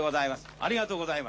ありがとうございます。